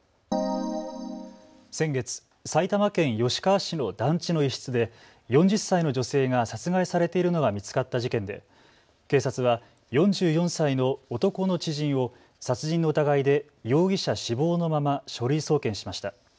先月、埼玉県吉川市の団地の一室で４０歳の女性が殺害されているのが見つかった事件で警察は４４歳の男の知人を殺人の疑いで容疑者死亡のまま書類送検しました。